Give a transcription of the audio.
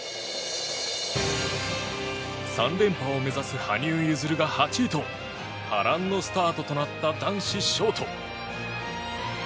３連覇を目指す羽生結弦が８位と波乱のスタートとなった男子ショート。